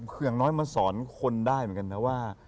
คืออย่างน้อยมาสอนคนได้เหมือนกันนะว่า